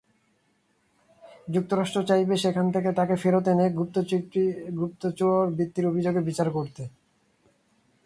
যুক্তরাষ্ট্র চাইবে সেখান থেকে তাঁকে ফেরত এনে গুপ্তচরবৃত্তির অভিযোগে বিচার করতে।